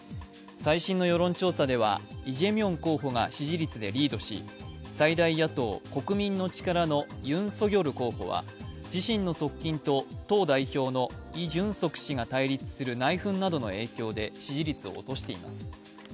最新の世論調査ではイ・ジェミョン候補が支持率でリードし最大野党・国民の党のユン・ソギョル候補は自身の側近と党代表のイ・ジュンソク氏が対立する内紛などの影響で支持率を落としています。